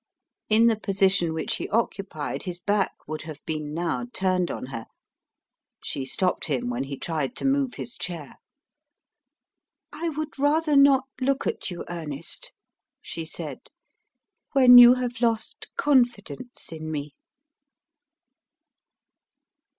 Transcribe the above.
In the position which he occupied his back would have been now turned on her. She stopped him when he tried to move his chair. "I would rather not look at you, Ernest," she said, "when you have lost confidence in me."